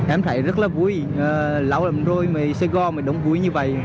em thấy rất là vui lâu lắm rồi mà sài gòn đông vui như vậy